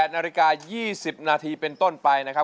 ๘นาฬิกา๒๐นาทีเป็นต้นไปนะครับ